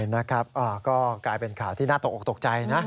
นะครับก็กลายเป็นข่าวที่น่าตกออกตกใจนะ